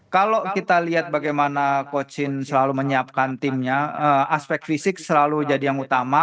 kalau kita lihat bagaimana coach in selalu menyiapkan timnya aspek fisik selalu jadi yang utama